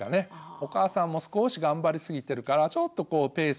お母さんも少し頑張りすぎてるからちょっとこうペース